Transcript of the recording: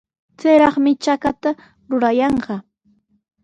Chayraqmi chakata rurayanqa.